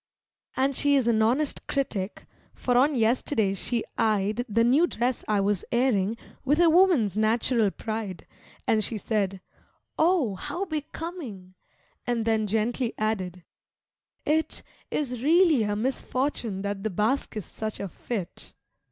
And she is an honest critic, for on yesterday she eyed The new dress I was airing with a woman's natural pride, And she said, "Oh, how becoming!" and then gently added, "it Is really a misfortune that the basque is such a fit."